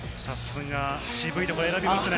渋いところ選びますね。